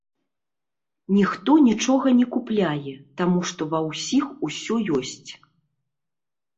Ніхто нічога не купляе, таму што ва ўсіх усё ёсць.